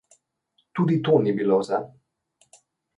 Tudi to ni bilo vse.